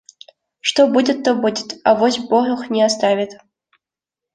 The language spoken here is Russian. Что будет, то будет; авось бог не оставит.